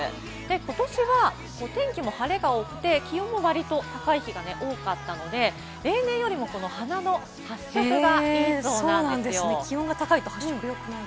今年は天気も晴れが多くて気温も割と高い日が多かったので、例年よりも花の発色がいいそうなんですよ。